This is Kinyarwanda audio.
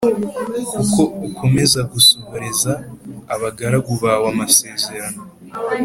kuko ukomeza gusohoreza abagaragu bawe amasezerano